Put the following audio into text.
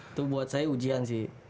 itu buat saya ujian sih